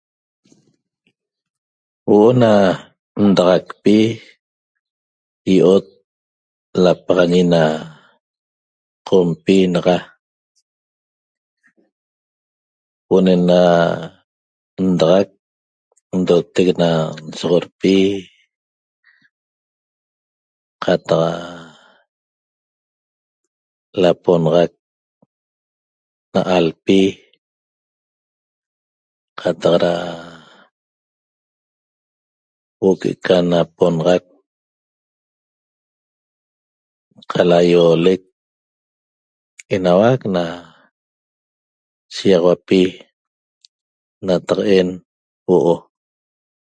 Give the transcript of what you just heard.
Huo'o na ndaxaqpi yiot na lapaxaguena qompi naxa huo'o ne na ndaxaq ndoteq nsoxoppi cataxa laponaxaq na alpi cataq eda huoo que ca naponaxaq ca lahiolec enahuaq na shiguiaxauapi nataqa'en huoo